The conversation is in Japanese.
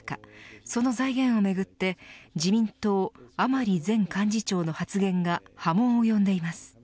その財源をめぐって自民党甘利前幹事長の発言が波紋を呼んでいます。